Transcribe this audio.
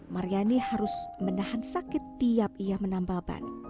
maryani harus menahan sakit tiap ia menambal ban